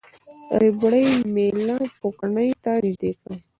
ربړي میله پوکڼۍ ته نژدې کړئ.